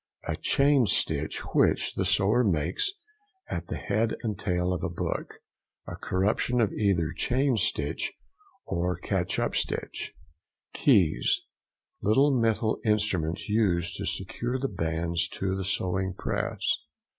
—The chain stitch which the sewer makes at the head and tail of a book. A corruption of either chain stitch, or catch up stitch. KEYS.—Little metal instruments used to secure the bands to the sewing press.